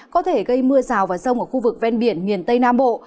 có thể gây mưa rào và rông ở khu vực ven biển miền tây nam bộ